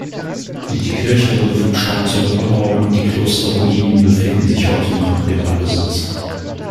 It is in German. Die Kirche wurde vom Staat zurückerworben, die Klosterruinen befinden sich heute noch im Privatbesitz.